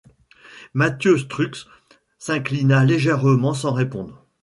Mathieu Strux s’inclina légèrement sans répondre.